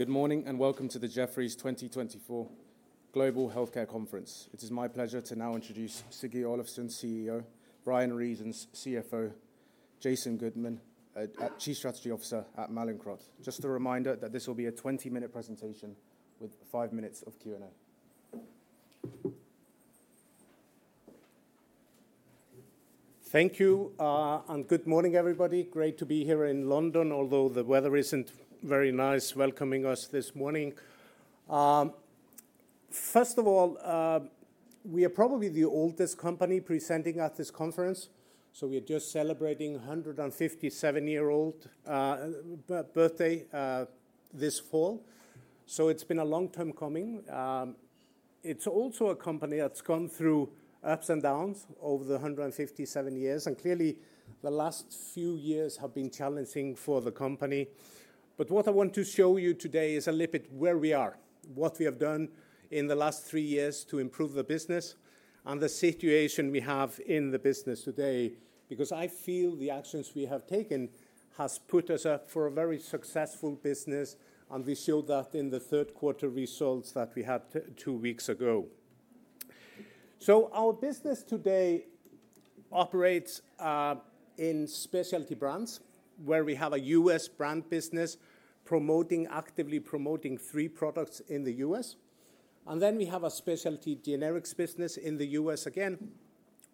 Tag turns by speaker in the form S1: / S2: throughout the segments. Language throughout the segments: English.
S1: Good morning and welcome to the Jefferies 2024 Global Healthcare Conference. It is my pleasure to now introduce Siggi Olafsson, CEO, Bryan Reasons, CFO, Jason Goodman, Chief Strategy Officer at Mallinckrodt. Just a reminder that this will be a 20-minute presentation with five minutes of Q&A.
S2: Thank you and good morning, everybody. Great to be here in London, although the weather isn't very nice welcoming us this morning. First of all, we are probably the oldest company presenting at this conference, so we are just celebrating 157-year-old birthday this fall. So it's been a long time coming. It's also a company that's gone through ups and downs over the 157 years, and clearly the last few years have been challenging for the company. But what I want to show you today is a little bit where we are, what we have done in the last three years to improve the business and the situation we have in the business today, because I feel the actions we have taken have put us up for a very successful business, and we showed that in the third-quarter results that we had two weeks ago. Our business today operates in specialty brands, where we have a U.S. brand business actively promoting three products in the U.S. And then we have a specialty generics business in the U.S. again,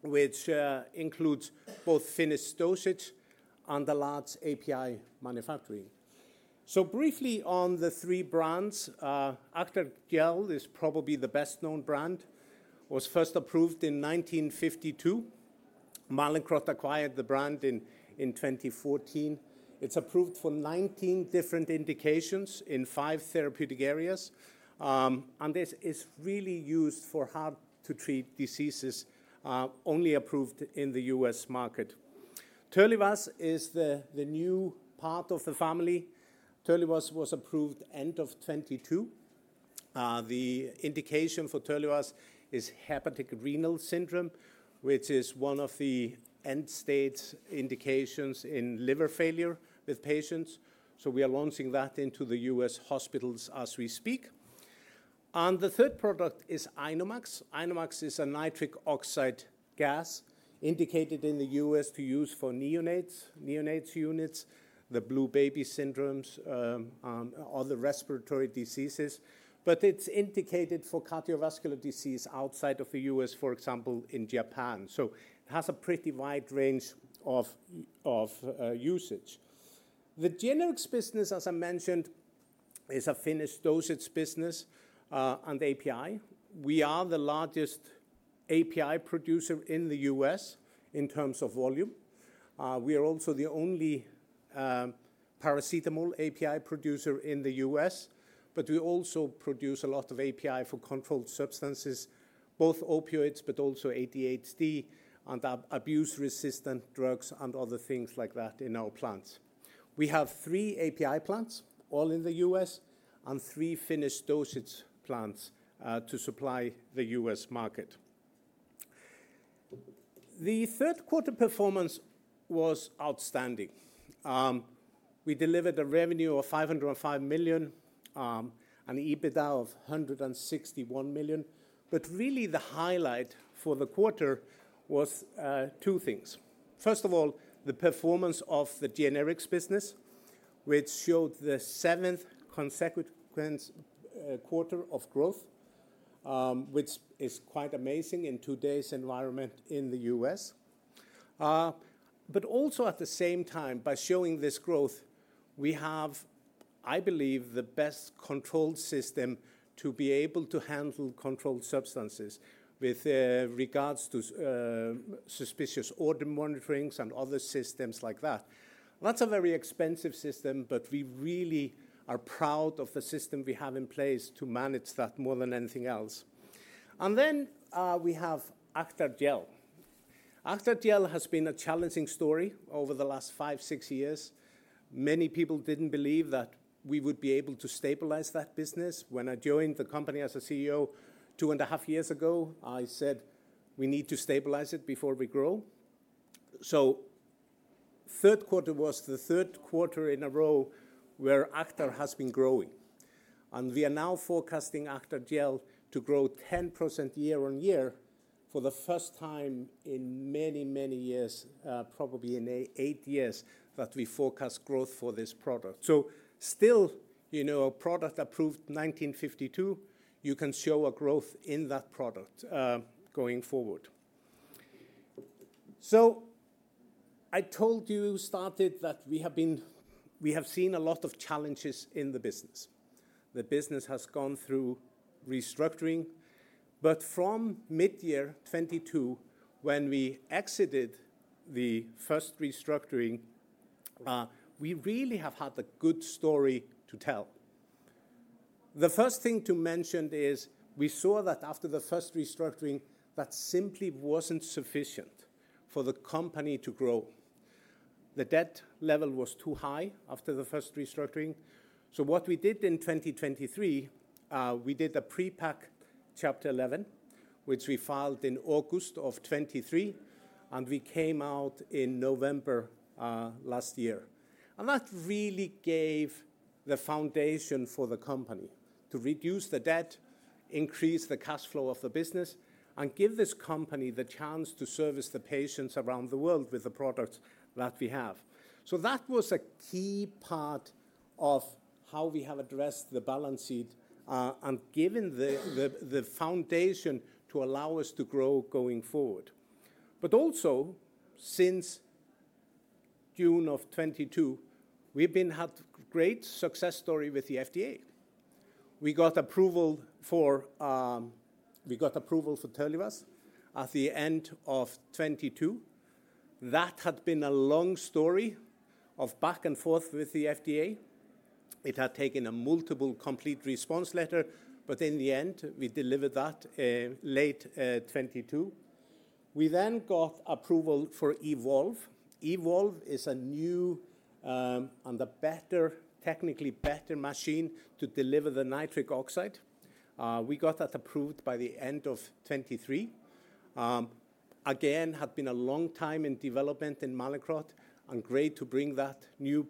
S2: which includes both finished dosage and the large API manufacturing. Briefly on the three brands, Acthar Gel is probably the best-known brand. It was first approved in 1952. Mallinckrodt acquired the brand in 2014. It's approved for 19 different indications in five therapeutic areas, and it's really used for how to treat diseases, only approved in the U.S. market. TERLIVAZ is the new part of the family. TERLIVAZ was approved at the end of 2022. The indication for TERLIVAZ is hepatorenal syndrome, which is one of the end-stage indications in liver failure with patients. We are launching that into the U.S. hospitals as we speak. And the third product is INOmax. INOmax is a nitric oxide gas indicated in the U.S. to use for neonates, neonate units, the blue baby syndromes, and other respiratory diseases. But it's indicated for cardiovascular disease outside of the U.S., for example, in Japan. So it has a pretty wide range of usage. The generics business, as I mentioned, is a finished dosage business and API. We are the largest API producer in the U.S. in terms of volume. We are also the only paracetamol API producer in the U.S., but we also produce a lot of API for controlled substances, both opioids, but also ADHD and abuse-resistant drugs and other things like that in our plants. We have three API plants, all in the U.S., and three finished dosage plants to supply the U.S. market. The third-quarter performance was outstanding. We delivered a revenue of $505 million and an EBITDA of $161 million. But really, the highlight for the quarter was two things. First of all, the performance of the generics business, which showed the seventh consecutive quarter of growth, which is quite amazing in today's environment in the U.S. But also, at the same time, by showing this growth, we have, I believe, the best controlled system to be able to handle controlled substances with regards to suspicious order monitorings and other systems like that. That's a very expensive system, but we really are proud of the system we have in place to manage that more than anything else. And then we have Acthar Gel. Acthar Gel has been a challenging story over the last five, six years. Many people didn't believe that we would be able to stabilize that business. When I joined the company as a CEO two and a half years ago, I said, "We need to stabilize it before we grow." So third quarter was the third quarter in a row where Acthar has been growing. And we are now forecasting Acthar Gel to grow 10% year on year for the first time in many, many years, probably in eight years that we forecast growth for this product. So still, you know, a product approved in 1952, you can show a growth in that product going forward. So I told you at the start that we have seen a lot of challenges in the business. The business has gone through restructuring. But from mid-year 2022, when we exited the first restructuring, we really have had a good story to tell. The first thing to mention is we saw that after the first restructuring, that simply wasn't sufficient for the company to grow. The debt level was too high after the first restructuring. So what we did in 2023, we did the prepack Chapter 11, which we filed in August of 2023, and we came out in November last year. And that really gave the foundation for the company to reduce the debt, increase the cash flow of the business, and give this company the chance to service the patients around the world with the products that we have. So that was a key part of how we have addressed the balance sheet and given the foundation to allow us to grow going forward. But also, since June of 2022, we've had a great success story with the FDA. We got approval for TERLIVAZ at the end of 2022. That had been a long story of back and forth with the FDA. It had taken multiple Complete Response Letters, but in the end, we delivered that late 2022. We then got approval for EVOLVE. EVOLVE is a new and a better, technically better machine to deliver the nitric oxide. We got that approved by the end of 2023. Again, had been a long time in development in Mallinckrodt and great to bring that new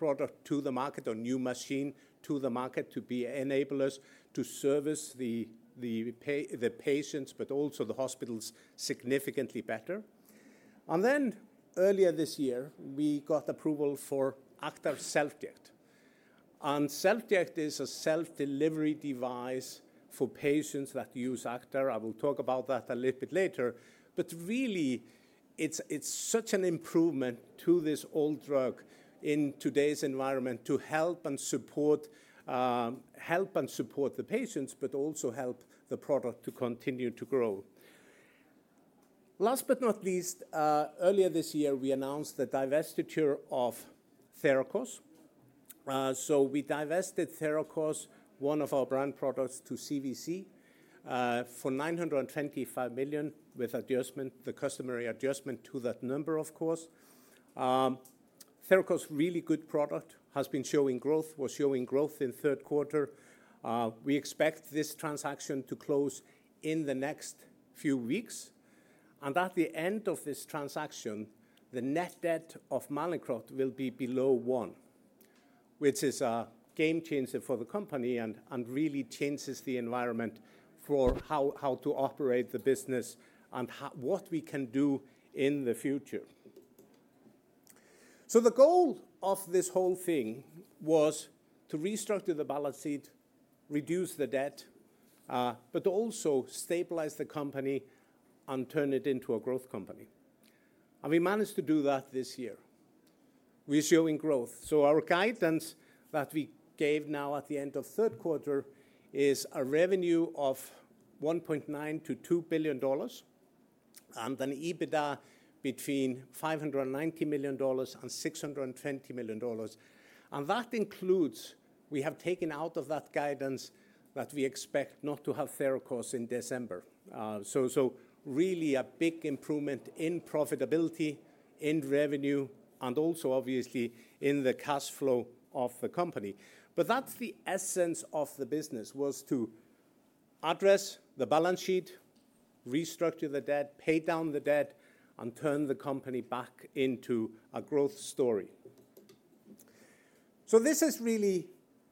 S2: product to the market or new machine to the market to be enablers to service the patients, but also the hospitals significantly better. And then earlier this year, we got approval for Acthar SelfJect. And SelfJect is a self-delivery device for patients that use Acthar. I will talk about that a little bit later. But really, it's such an improvement to this old drug in today's environment to help and support the patients, but also help the product to continue to grow. Last but not least, earlier this year, we announced the divestiture of Therakos. We divested Therakos, one of our brand products, to CVC for $925 million with adjustment, the customary adjustment to that number, of course. Therakos, really good product, has been showing growth, was showing growth in third quarter. We expect this transaction to close in the next few weeks. At the end of this transaction, the net debt of Mallinckrodt will be below one, which is a game changer for the company and really changes the environment for how to operate the business and what we can do in the future. The goal of this whole thing was to restructure the balance sheet, reduce the debt, but also stabilize the company and turn it into a growth company. We managed to do that this year. We are showing growth. Our guidance that we gave now at the end of third quarter is a revenue of $1.9 billion-$2 billion and an EBITDA between $590 million and $620 million. That includes we have taken out of that guidance that we expect not to have Therakos in December. Really a big improvement in profitability, in revenue, and also obviously in the cash flow of the company. That's the essence of the business, was to address the balance sheet, restructure the debt, pay down the debt, and turn the company back into a growth story. This is really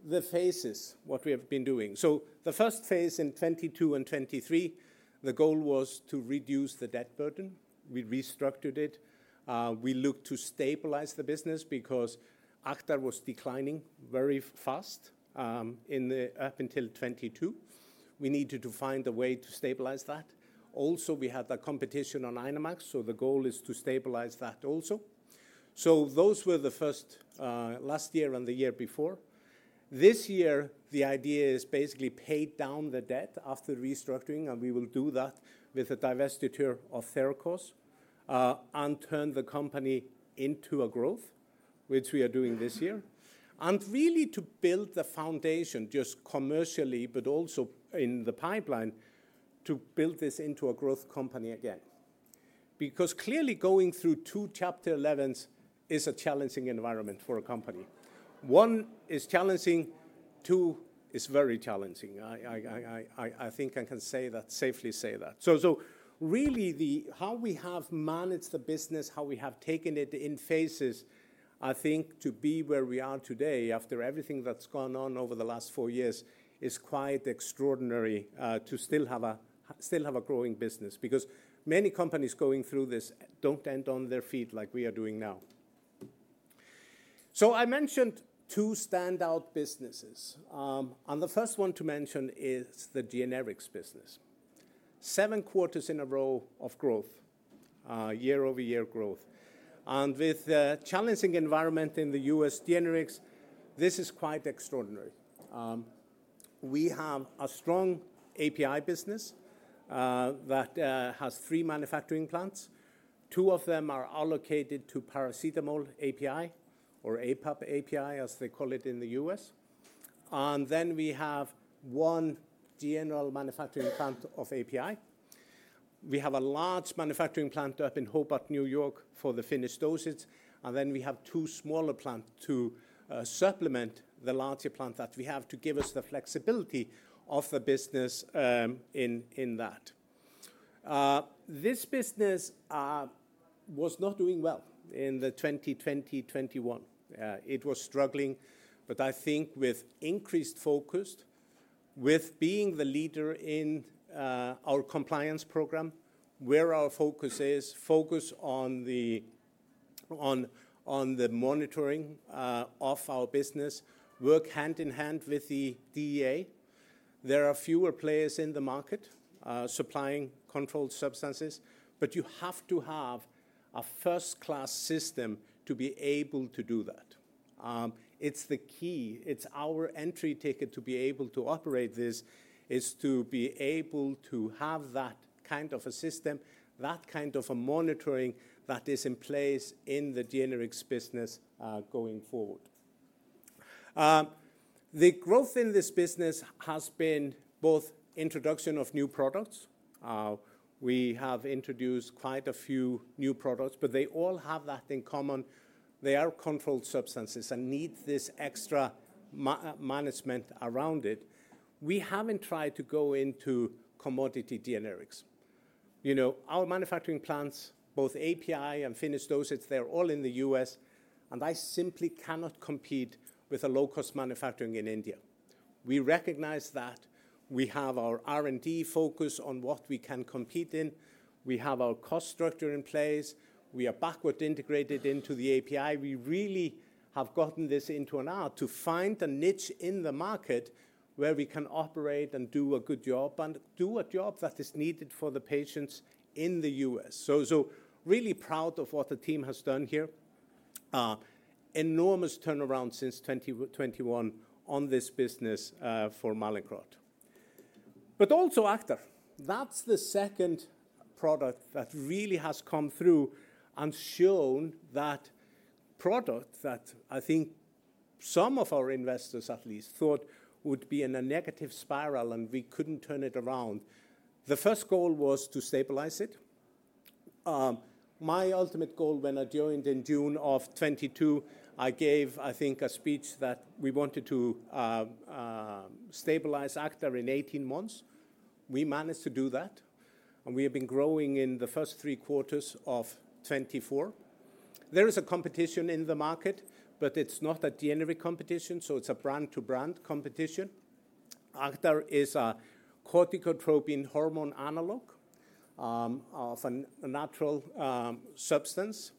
S2: the phases, what we have been doing. The first phase in 2022 and 2023, the goal was to reduce the debt burden. We restructured it. We looked to stabilize the business because Acthar was declining very fast up until 2022. We needed to find a way to stabilize that. Also, we had the competition on INOmax, so the goal is to stabilize that also. So those were the first last year and the year before. This year, the idea is basically pay down the debt after restructuring, and we will do that with a divestiture of Therakos and turn the company into a growth, which we are doing this year. And really to build the foundation just commercially, but also in the pipeline to build this into a growth company again. Because clearly going through two Chapter 11s is a challenging environment for a company. One is challenging, two is very challenging. I think I can safely say that. So, really, how we have managed the business, how we have taken it in phases, I think to be where we are today after everything that's gone on over the last four years is quite extraordinary to still have a growing business because many companies going through this don't end on their feet like we are doing now. So I mentioned two standout businesses. And the first one to mention is the generics business. Seven quarters in a row of growth, year-over-year growth. And with the challenging environment in the U.S. generics, this is quite extraordinary. We have a strong API business that has three manufacturing plants. Two of them are allocated to paracetamol API or APAP API, as they call it in the U.S. And then we have one general manufacturing plant of API. We have a large manufacturing plant up in Hobart, New York, for the finished dosage. And then we have two smaller plants to supplement the larger plant that we have to give us the flexibility of the business in that. This business was not doing well in the 2020-2021. It was struggling, but I think with increased focus, with being the leader in our compliance program, where our focus is, focus on the monitoring of our business, work hand in hand with the DEA. There are fewer players in the market supplying controlled substances, but you have to have a first-class system to be able to do that. It's the key. It's our entry ticket to be able to operate. This is to be able to have that kind of a system, that kind of a monitoring that is in place in the generics business going forward. The growth in this business has been both introduction of new products. We have introduced quite a few new products, but they all have that in common. They are controlled substances and need this extra management around it. We haven't tried to go into commodity generics. Our manufacturing plants, both API and finished dosage, they're all in the U.S. And I simply cannot compete with a low-cost manufacturing in India. We recognize that we have our R&D focus on what we can compete in. We have our cost structure in place. We are backward integrated into the API. We really have gotten this into an art to find a niche in the market where we can operate and do a good job and do a job that is needed for the patients in the U.S. So really proud of what the team has done here. Enormous turnaround since 2021 on this business for Mallinckrodt, but also Acthar, that's the second product that really has come through and shown that product that I think some of our investors at least thought would be in a negative spiral and we couldn't turn it around. The first goal was to stabilize it. My ultimate goal when I joined in June of 2022, I gave, I think, a speech that we wanted to stabilize Acthar in 18 months. We managed to do that and we have been growing in the first three quarters of 2024. There is a competition in the market, but it's not a generic competition, so it's a brand-to-brand competition. Acthar is a corticotropin hormone analog of a natural substance.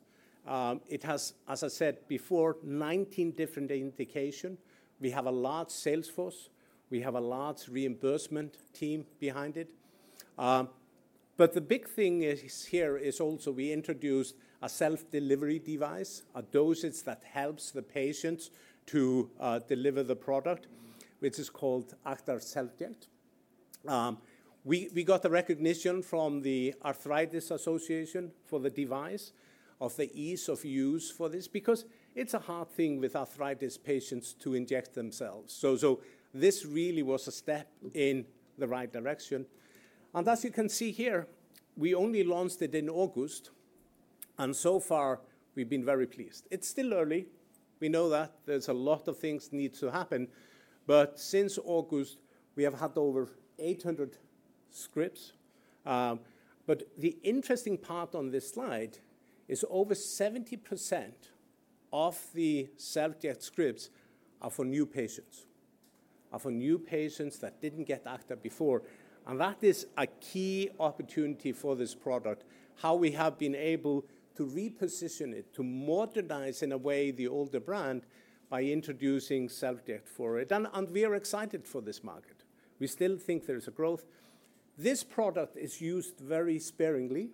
S2: It has, as I said before, 19 different indications. We have a large sales force. We have a large reimbursement team behind it. The big thing here is also we introduced a self-delivery device, a dosage that helps the patients to deliver the product, which is called Acthar SelfJect. We got the recognition from the Arthritis Foundation for the device of the ease of use for this because it's a hard thing with arthritis patients to inject themselves. This really was a step in the right direction. As you can see here, we only launched it in August. So far, we've been very pleased. It's still early. We know that there's a lot of things need to happen. Since August, we have had over 800 scripts. The interesting part on this slide is over 70% of the SelfJect scripts are for new patients, are for new patients that didn't get Acthar before. That is a key opportunity for this product, how we have been able to reposition it, to modernize in a way the older brand by introducing SelfJect for it. We are excited for this market. We still think there is a growth. This product is used very sparingly.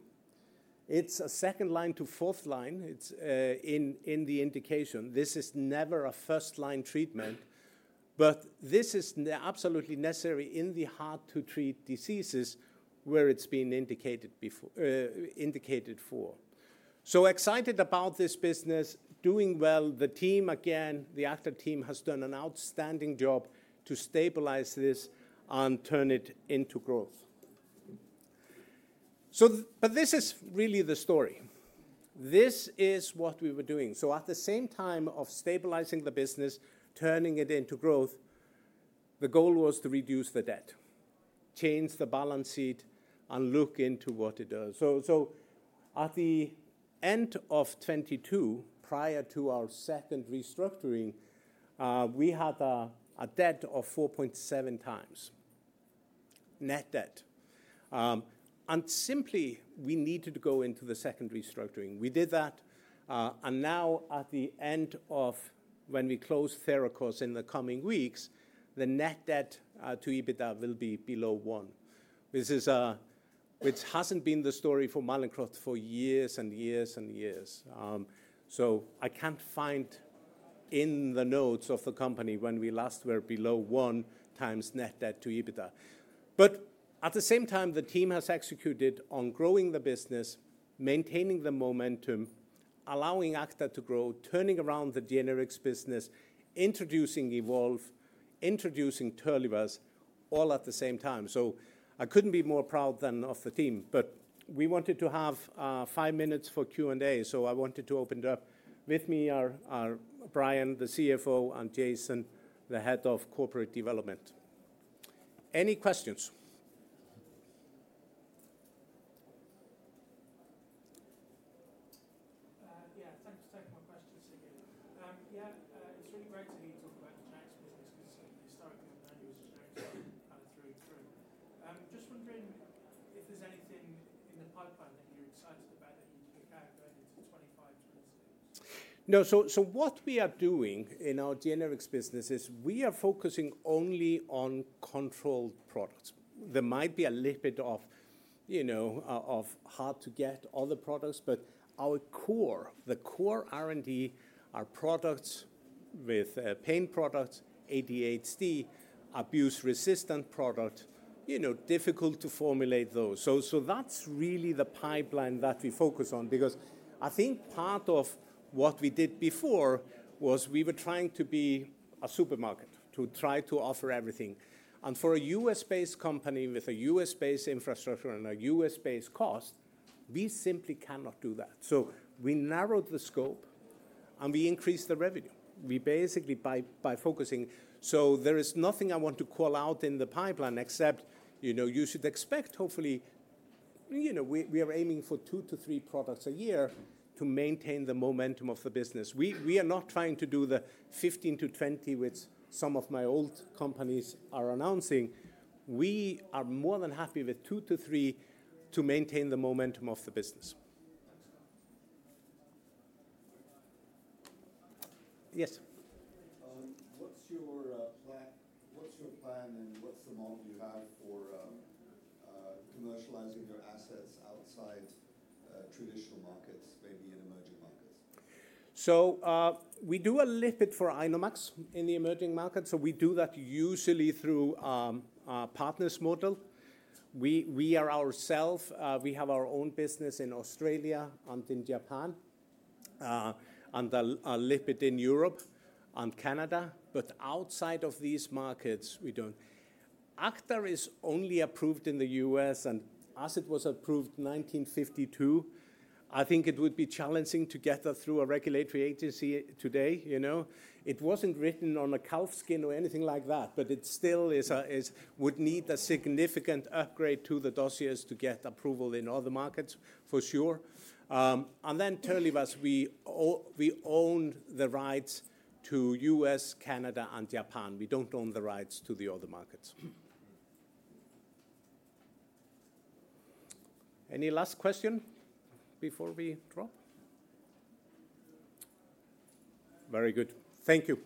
S2: It is a second line to fourth line. It is in the indication. This is never a first-line treatment, but this is absolutely necessary in the hard-to-treat diseases where it has been indicated for. We are excited about this business, doing well. The team, again, the Acthar team has done an outstanding job to stabilize this and turn it into growth. This is really the story. This is what we were doing. At the same time of stabilizing the business, turning it into growth, the goal was to reduce the debt, change the balance sheet, and look into what it does. At the end of 2022, prior to our second restructuring, we had a debt of 4.7x net debt. And simply, we needed to go into the second restructuring. We did that. And now at the end of when we close Therakos in the coming weeks, the net debt to EBITDA will be below one. This is a which hasn't been the story for Mallinckrodt for years and years and years. I can't find in the notes of the company when we last were below one times net debt to EBITDA. But at the same time, the team has executed on growing the business, maintaining the momentum, allowing Acthar to grow, turning around the generics business, introducing EVOLVE, introducing TERLIVAZ all at the same time. I couldn't be more proud of the team. But we wanted to have five minutes for Q&A, so I wanted to open it up with me, Bryan, the CFO, and Jason, the Head of Corporate Development. Any questions? Yeah, thanks for taking my questions again. Yeah, it's really great to hear you talk about the generics business because historically, I've known you as a generics company kind of through and through. Just wondering if there's anything in the pipeline that you're excited about that you've looked at going into 2025, 2026? No, so what we are doing in our generics business is we are focusing only on controlled products. There might be a little bit of hard-to-get other products, but our core, the core R&D, our products with pain products, ADHD, abuse-resistant product, difficult to formulate those. So that's really the pipeline that we focus on because I think part of what we did before was we were trying to be a supermarket to try to offer everything, and for a U.S.-based company with a U.S.-based infrastructure and a U.S.-based cost, we simply cannot do that, so we narrowed the scope and we increased the revenue. We basically by focusing, so there is nothing I want to call out in the pipeline except you should expect, hopefully, we are aiming for two to three products a year to maintain the momentum of the business. We are not trying to do the 15-20, which some of my old companies are announcing. We are more than happy with two to three to maintain the momentum of the business. Yes. What's your plan and what's the model you have for commercializing your assets outside traditional markets, maybe in emerging markets? So we do a little bit for INOmax in the emerging markets. So we do that usually through our partners' model. We are ourselves. We have our own business in Australia and in Japan and a little bit in Europe and Canada. But outside of these markets, we don't. Acthar is only approved in the U.S., and as it was approved in 1952, I think it would be challenging to get that through a regulatory agency today. It wasn't written on a calfskin or anything like that, but it still would need a significant upgrade to the dossiers to get approval in other markets, for sure. And then TERLIVAZ, we own the rights to U.S., Canada, and Japan. We don't own the rights to the other markets. Any last question before we drop? Very good. Thank you.